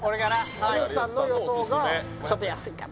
はい有吉さんの予想がちょっと安いかな